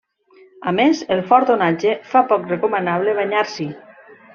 A més, el fort onatge fa poc recomanable banyar-s'hi.